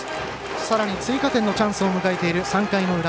さらに追加点のチャンスを迎えている３回の裏。